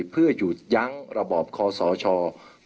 เพื่อยุดยั้งการสืบทอดอำนาจของขอสอชอต่อและยังพร้อมจะเป็นนายกรัฐมนตรี